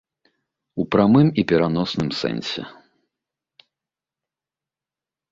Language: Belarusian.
У прамым і пераносным сэнсе.